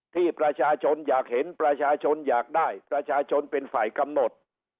ที่ประชาชนอยากเห็นประชาชนอยากได้ประชาชนเป็นฝ่ายกำหนด